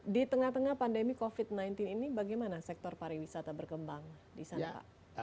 di tengah tengah pandemi covid sembilan belas ini bagaimana sektor pariwisata berkembang di sana pak